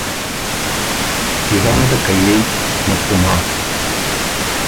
இடாத கையை நத்துமா?